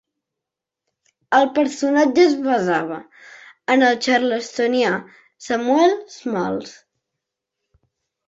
El personatge es basava en el Charlestonià Samuel Smalls.